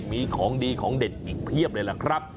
มีของดีของเด็ดอีกเพียบเลยล่ะครับ